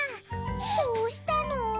どうしたの？